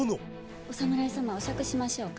お侍様お酌しましょうか。